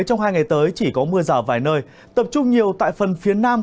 trong hai ngày tới chỉ có mưa rào vài nơi tập trung nhiều tại phần phía nam